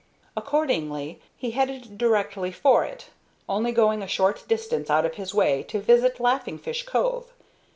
Accordingly he headed directly for it, only going a short distance out of his way to visit Laughing Fish Cove.